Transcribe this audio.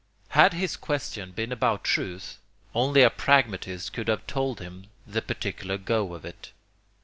Had his question been about truth, only a pragmatist could have told him the particular go of it.